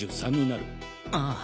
ああ。